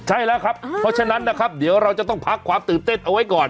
ใช่แล้วครับเพราะฉะนั้นนะครับเดี๋ยวเราจะต้องพักความตื่นเต้นเอาไว้ก่อน